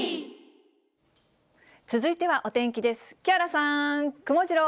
続いてはお天気です。